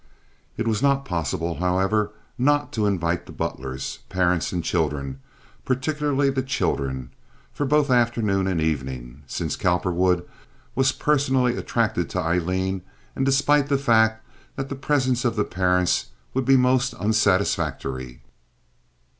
It was not possible, however, not to invite the Butlers, parents and children, particularly the children, for both afternoon and evening, since Cowperwood was personally attracted to Aileen and despite the fact that the presence of the parents would be most unsatisfactory.